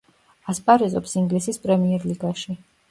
ასპარეზობს ინგლისის პრემიერლიგაში.